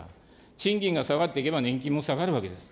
賃金が下がっていけば年金も下がるわけです。